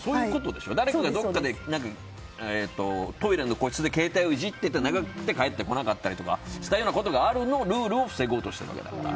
どこかで誰かがトイレの個室で携帯をいじってて長くて帰ってこなかったりしたことがあるのをルールで防ごうとするんだから。